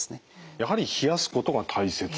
やはり冷やすことが大切と。